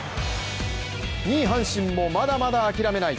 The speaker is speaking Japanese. ２位・阪神もまだまだ諦めない。